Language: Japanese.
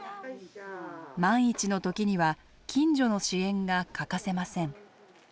万一の時には近所の支援が欠かせません。